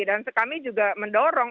dan kami juga mendorong